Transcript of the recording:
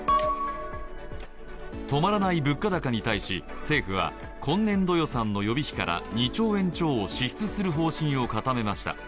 止まらない物価高に対し政府は今年度予算の予備費から２兆円超を支出する方針を決めました。